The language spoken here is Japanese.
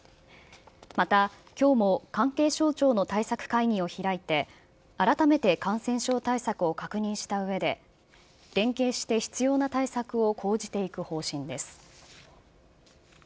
また、きょうも関係省庁の対策会議を開いて、改めて感染症対策を確認したうえで、連携して必要な対策を講じていく方針です。